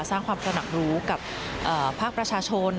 สร้างความตระหนักรู้กับภาคประชาชน